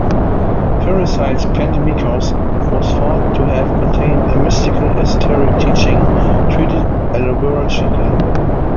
Pherecydes' "Pentemychos" was thought to have contained a mystical esoteric teaching, treated allegorically.